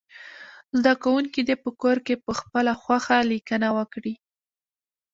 زده کوونکي دې په کور کې پخپله خوښه لیکنه وکړي.